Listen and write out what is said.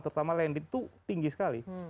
terutama landed itu tinggi sekali